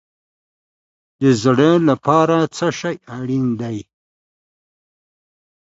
د زړه لپاره څه شی اړین دی؟